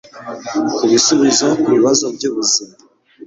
kubisubizo kubibazo byubuzima